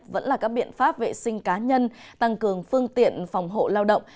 vẫn là các biện pháp vệ sinh cá nhân tăng cường phương tiện phòng hộ lao động